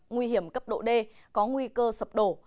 nguy hiểm cấp độ d có nguy cơ sập đổ